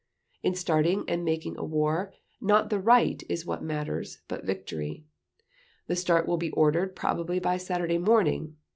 In starting and making a war, not the Right is what matters, but Victory .... The start will be ordered probably by Saturday morning."